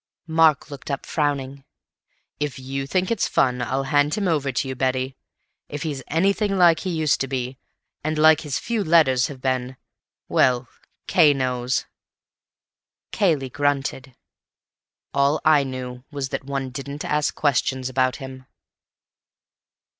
Mark looked up, frowning. "If you think it's fun, I'll hand him over to you, Betty. If he's anything like he used to be, and like his few letters have been—well, Cay knows." Cayley grunted. "All I knew was that one didn't ask questions about him."